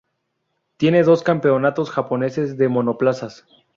Tiene dos campeonatos japoneses de monoplazas.